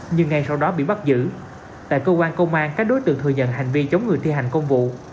nhưng ngay sau đó bị bắt giữ tại cơ quan công an các đối tượng thừa nhận hành vi chống người thi hành công vụ